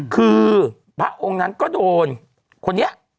คือพระองค์นั้นก็โดนคนนี้